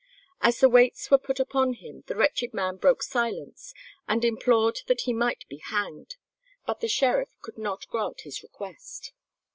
As the weights were put upon him the wretched man broke silence and implored that he might be hanged, but the sheriff could not grant his request.